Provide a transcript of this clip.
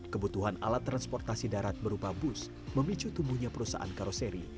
kebutuhan alat transportasi darat berupa bus memicu tumbuhnya perusahaan karoseri